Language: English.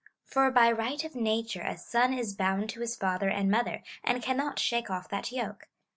For by right of nature a son is bound to his father and mother, and cannot shake off that yoke.